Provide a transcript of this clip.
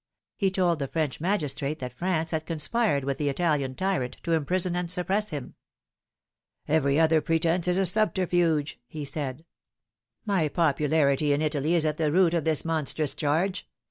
He told the French magistrate that France had conspired with the Italian tyrant to imprison and suppress him. "Every other pretence is a subterfuge," he said. "My popularity in Italy is at the root of this monstrous charge.